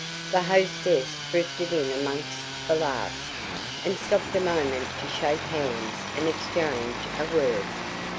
The hostess drifted in amongst the last, and stopped a moment to shake hands and exchange a word.